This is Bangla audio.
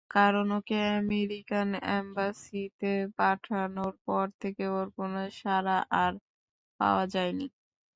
কারণ ওকে আমেরিকান অ্যাম্বাসিতে পাঠানোর পর থেকে ওর কোনো সাড়া আর পাওয়া যায়নি!